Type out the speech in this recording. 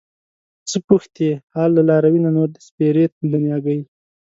څه پوښتې حال له لاروي نور د سپېرې دنياګۍ